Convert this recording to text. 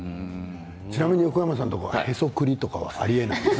ちなみに横山さんのところはへそくりとかはありえないですか。